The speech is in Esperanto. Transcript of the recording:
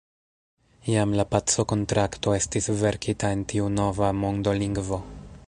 Jam la pacokontrakto estis verkita en tiu nova mondolingvo.